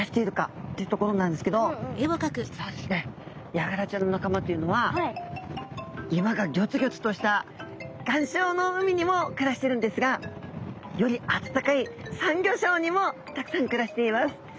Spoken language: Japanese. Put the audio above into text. ヤガラちゃんの仲間というのは岩がギョツギョツとした岩礁の海にも暮らしてるんですがより暖かいサンギョ礁にもたくさん暮らしています。